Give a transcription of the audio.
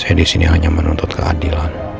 saya di sini hanya menuntut keadilan